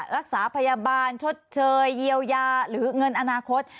รักษาพยาบาลชดเชยเยียวยาหรือเงินอนาคต